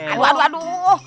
aduh aduh aduh